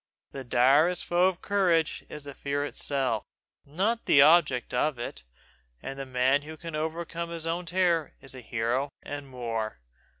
The direst foe of courage is the fear itself, not the object of it; and the man who can overcome his own terror is a hero and more.